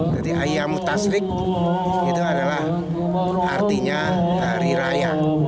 jadi ayamu tasrik itu adalah artinya hari raya